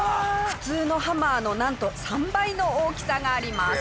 普通のハマーのなんと３倍の大きさがあります。